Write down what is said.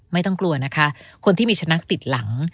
ไม่ต้องกลัวนะคะคนที่มีสุนัขติดหลัง